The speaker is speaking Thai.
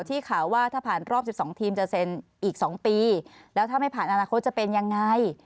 ข่าวว่าถ้าผ่านรอบ๑๒ทีมจะเซ็นอีก๒ปีแล้วถ้าไม่ผ่านอนาคตจะเป็นยังไง